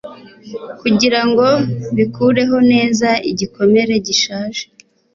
kugirango bikureho neza igikomere gishaje